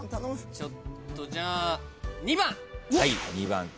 ちょっとじゃあ２番。